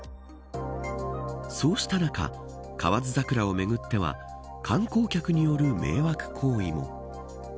そうした中河津桜をめぐっては観光客による迷惑行為も。